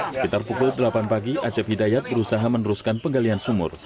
sekitar pukul delapan pagi acep hidayat berusaha meneruskan penggalian sumur